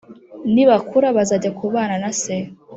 Nibakura bazajya kubana na se